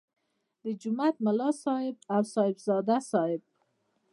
د جومات ملا صاحب او صاحبزاده صاحب.